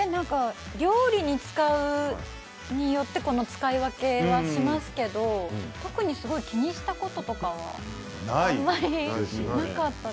料理に、使い方によって使い分けしますけど特に気にしたこととかはあんまり。